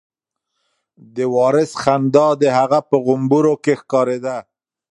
د وارث خندا د هغه په غومبورو کې ښکارېده.